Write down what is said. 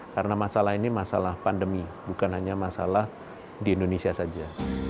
karena masalah ini masalah pandemi bukan hanya masalah di indonesia saja